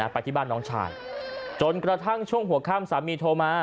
ไปที่บ้านน้องชายจนกระทั่งช่วงหัวข้ามสามีโทรมา